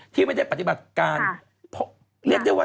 ที่ไม่ได้ปฏิบัติการเรียกได้ว่า